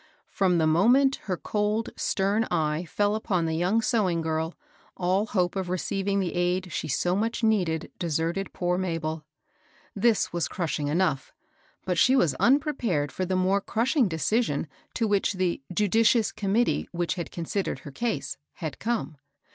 From the moment her cold, stem eye fell upon the young sewing girl, all hope of receiving the aid she so much needed deserted poor Mabel. This was crushing enough ; but she was unprepared for the more crushing decision to which the *^ judicious committee which had considered her case'' had come.